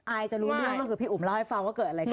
จะรู้เรื่องก็คือพี่อุ๋มเล่าให้ฟังว่าเกิดอะไรขึ้น